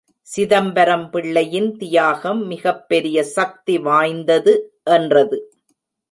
சிதம்பரம் பிள்ளையின் தியாகம் மிகப் பெரிய சக்தி வாய்ந்தது என்றது.